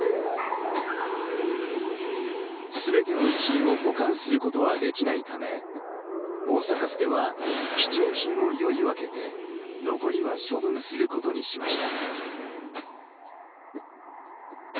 すべての遺品を保管することはできないため大阪府では、貴重品をより分けて残りは処分することにしました。